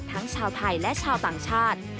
ทั้งชาวไทยและชาวต่างชาติ